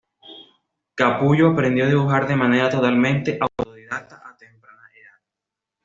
Capullo aprendió a dibujar de manera totalmente autodidacta a temprana edad.